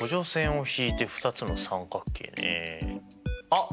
あっ！